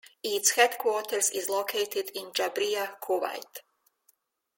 Its headquarters is located in Jabriya, Kuwait.